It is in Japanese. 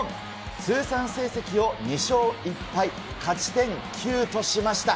通算成績を２勝１敗、勝ち点９としました。